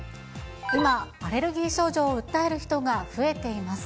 今、アレルギー症状を訴える人が増えています。